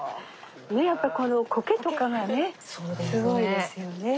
ねっやっぱこのこけとかがねすごいですよね。